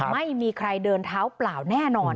ไม่มีใครเดินเท้าเปล่าแน่นอน